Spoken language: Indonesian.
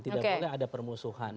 tidak boleh ada permusuhan